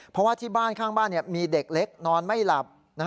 เพราะว่าที่บ้านข้างบ้านมีเด็กเล็กนอนไม่หลับ